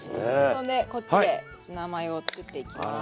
そんでこっちでツナマヨを作っていきます。